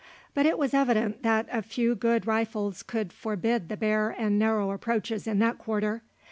But it was evident that a few good rifles could forbid the bare and narrow approaches in that quarter.